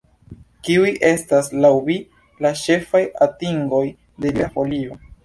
Kiuj estas laŭ vi la ĉefaj atingoj de Libera Folio?